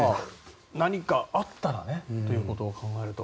何かあったらということを考えると。